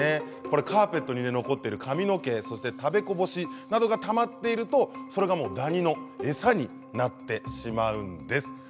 カーペットに残っている髪の毛や食べこぼしなどがたまっているとそれがダニの餌になってしまうんです。